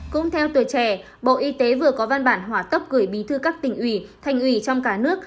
cũng theo tuổi trẻ bộ y tế vừa có văn bản hỏa tốc gửi bí thư các tỉnh ủy thành ủy trong cả nước